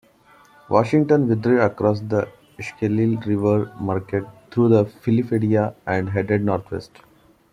Washington withdrew across the Schuylkill River, marched through Philadelphia, and headed northwest.